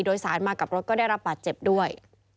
โดยสารมากับรถก็ได้รับบาดเจ็บด้วย